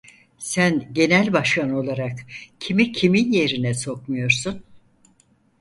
Sen genel başkan olarak kimi kimin yerine sokmuyorsun?